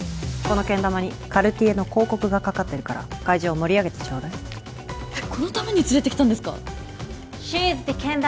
このけん玉にカルティエの広告がかかってるから会場を盛り上げてちょうだいこのために連れてきたんですか！？